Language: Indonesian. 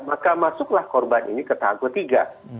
maka masuklah korban ini ke tahap ketiga